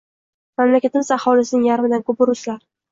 Mamlakatimiz aholisining yarmidan koʻpi ruslar